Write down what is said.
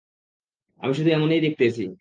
আমি শুধু এমনেই দেখতেছি।